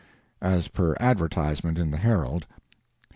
As per advertisement in the "Herald."